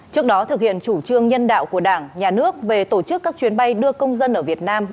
trước đó thực hiện chủ trương nhân đạo của đảng nhà nước về tổ chức các chuyến bay đưa công dân ở việt nam